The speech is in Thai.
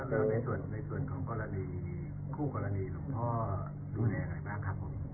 แล้วในส่วนของกรณีคู่กรณีหลวงพ่อดูแลอะไรบ้างครับผม